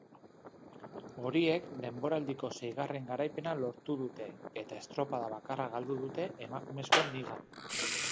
Horiek denboraldiko seigarren garaipena lortu dute eta estropada bakarra galdu dute emakumezkoen ligan.